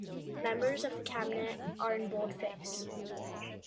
Members of the Cabinet are in bold face.